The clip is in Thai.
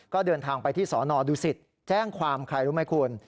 ก็เดินทางไปที่สนดูสิตแจ้งความใครรู้ไหมคุณ